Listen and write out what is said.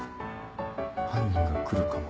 犯人が来るかも。